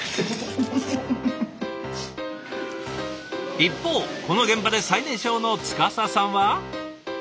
一方この現場で最年少の司さんは。